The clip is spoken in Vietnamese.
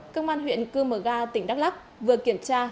công an huyện cơ mơ ga tỉnh đắk lắk vừa kiểm tra